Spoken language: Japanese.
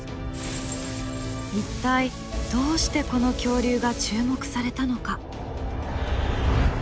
一体どうしてこの恐竜が注目されたのか？